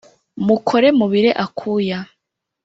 mukore mubire akuya